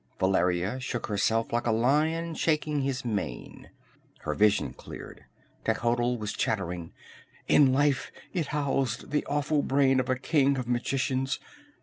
Valeria shook herself like a lion shaking his mane. Her vision cleared. Techotl was chattering: "In life it housed the awful brain of a king of magicians!